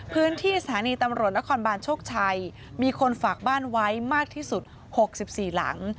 พื้นที่สถานีตำรวจนครบานโชคชัยมีคนฝากบ้านไว้มากที่สุด๖๔หลัง